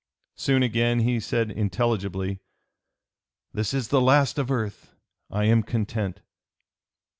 Soon again he said intelligibly, "This is the last of earth! I am content!"